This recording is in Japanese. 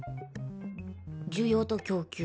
需要と供給。